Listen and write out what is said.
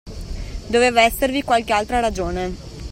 Doveva esservi qualche altra ragione.